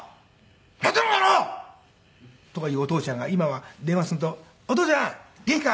「何やってんだこの野郎！」とか言うお父ちゃんが今は電話すると「お父ちゃん元気か？」。